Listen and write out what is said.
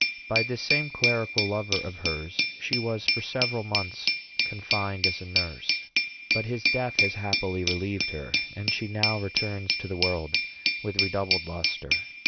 By this same clerical lover of hers she was for several months confined as a nurse. But his death has happily relieved her; and she now returns to the world with redoubled lustre.